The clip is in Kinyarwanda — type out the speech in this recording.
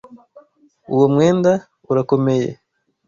Uwo mwenda urakomeye.